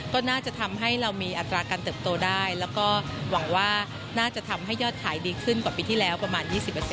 ก็น่าจะทำให้เรามีอัตราการเติบโตได้แล้วก็หวังว่าน่าจะทำให้ยอดขายดีขึ้นกว่าปีที่แล้วประมาณ๒๐